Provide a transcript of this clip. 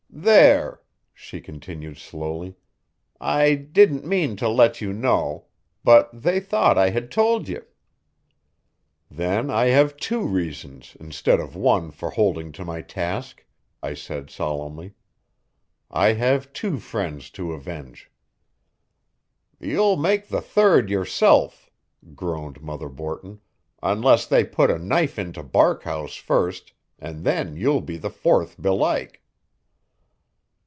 "There," she continued slowly, "I didn't mean to let you know. But they thought I had told ye." "Then I have two reasons instead of one for holding to my task," I said solemnly. "I have two friends to avenge." "You'll make the third yourself," groaned Mother Borton, "unless they put a knife into Barkhouse, first, and then you'll be the fourth belike."